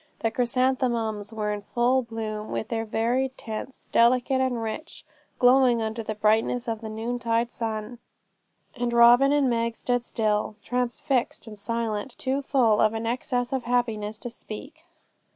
The chrysanthemums were in full blossom, with all their varied tints, delicate and rich, glowing under the brightness of the noontide sun; and Robin and Meg stood still, transfixed and silent, too full of an excess of happiness to speak.